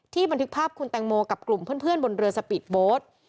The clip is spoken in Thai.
บันทึกภาพคุณแตงโมกับกลุ่มเพื่อนบนเรือสปีดโบ๊ท